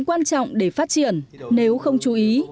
quan trọng để phát triển nếu không chú ý